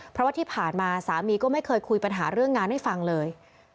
เพราะว่าที่ผ่านมาสามีก็ไม่เคยคุยปัญหาเรื่องงานให้ฟังเลย